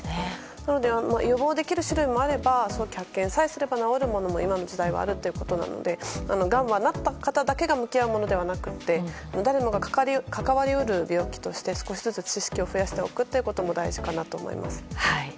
なので、予防できる種類もあれば早期発見さえすれば治るものもある時代なのでがんは、なった方だけが向き合うものではなくて誰もが関わり得る病気として少しずつ知識を増やしておくことも大事かなと思います。